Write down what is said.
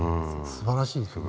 すばらしいですよね。